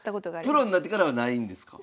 プロになってからはないんですか？